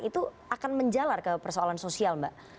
itu akan menjalar ke persoalan sosial mbak